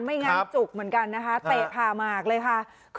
ไม่งั้นจุกเหมือนกันนะคะเตะผ่ามากเลยค่ะ